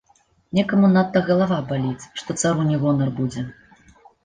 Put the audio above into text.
Некаму надта галава баліць, што цару не гонар будзе?!